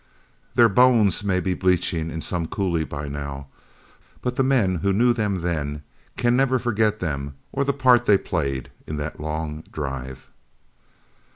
Their hones may be bleaching in some coulee by now, but the men who knew them then can never forget them or the part they played in that long drive.